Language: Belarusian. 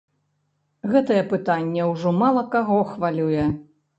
Гэтае пытанне ўжо мала каго хвалюе.